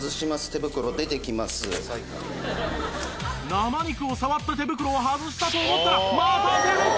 生肉を触った手袋を外したと思ったらまた手袋！